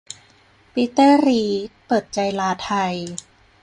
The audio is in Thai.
ปีเตอร์ รีดเปิดใจลาไทย